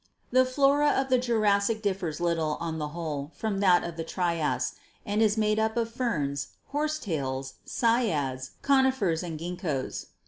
The flora of the Jurassic differs little, on the whole, from that of the Trias, and is made up of Ferns, Horsetails, Cycads, Conifers and Gingkos.